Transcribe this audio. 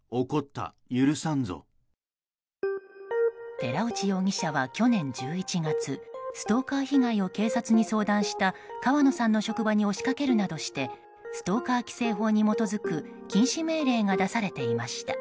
寺内容疑者は去年１１月ストーカー被害を警察に相談した川野さんの職場に押し掛けるなどしてストーカー規制法に基づく禁止命令が出されていました。